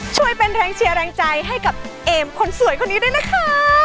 ช่วยเป็นแรงเชียร์แรงใจให้กับเอมคนสวยคนนี้ด้วยนะคะ